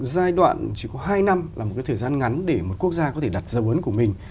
giai đoạn chỉ có hai năm là một cái thời gian ngắn để một quốc gia có thể đặt dấu ấn của mình